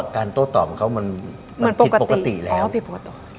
การโต้ต่อมเขามันผิดปกติแล้วอเรนนี่มันปกติอ๋อผิดปกติ